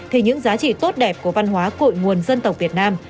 thì những giá trị tốt đẹp của văn hóa cội nguồn dân tộc việt nam